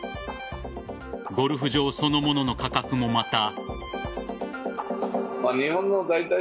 ゴルフ場そのものの価格もまた。